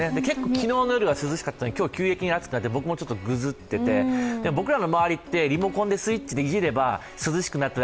昨日の夜は涼しかったのに今日は急激に暑くなったので僕もぐずっていて僕らの周りって、リモコンでスイッチがあれば、涼しくなったり